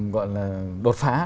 gọi là đột phá